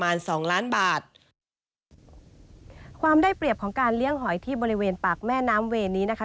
สองล้านบาทความได้เปรียบของการเลี้ยงหอยที่บริเวณปากแม่น้ำเวรนี้นะคะ